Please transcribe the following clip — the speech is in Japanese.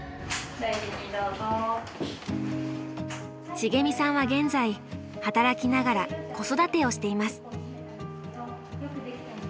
しげみさんは現在働きながら子育てをしています。